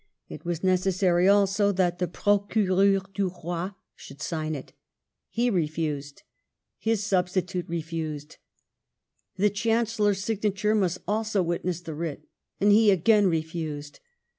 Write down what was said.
It was necessary also that the Procureur du Roi should sign it. He refused. His substitute refused. The Chancel lor's signature must also witness the writ, and he again refused.